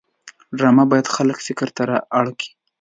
ډرامه باید خلک فکر ته اړ کړي